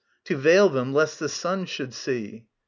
To veil them, lest the Sun should see.